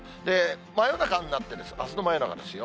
真夜中になって、あすの真夜中ですよ。